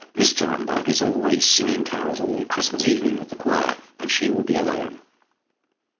Mr Rumbold is always singing carols all Christmas evening with the choir, and she will be alone."